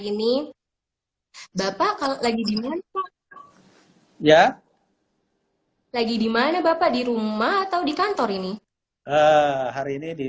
ini bapak kalau lagi diminta ya lagi dimana bapak di rumah atau di kantor ini hari ini di